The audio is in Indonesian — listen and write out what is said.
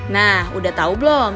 nah udah tau belum